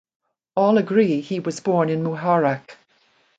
All agree he was born in Muharraq.